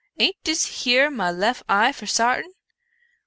aint dis here my lef eye for sartain